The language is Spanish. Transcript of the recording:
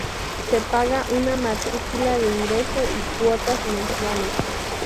Se paga una matrícula de ingreso y cuotas mensuales.